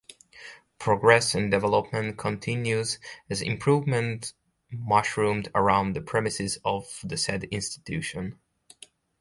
Progress and development continues as improvement mushroomed around the premises of the said institution.